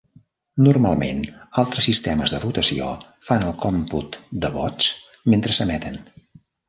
Normalment, altres sistemes de votació fan el còmput de vots mentre s'emeten.